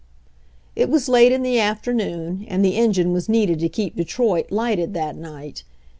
It was late in the afternoon, and the engine was needed to keep Detroit lighted that night.